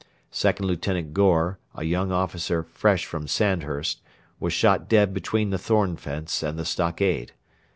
Second Lieutenant Gore, a young officer fresh from Sandburst, was shot dead between the thorn fence and the stockade.